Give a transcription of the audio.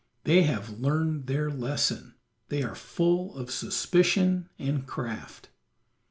They have learned their lesson. They are full of suspicion and craft.